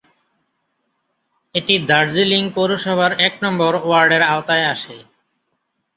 এটি দার্জিলিং পৌরসভার এক নম্বর ওয়ার্ডের আওতায় আসে।